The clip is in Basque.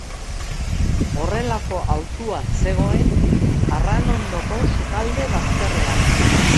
Horrelako autua zegoen Arranondoko sukalde bazterrean.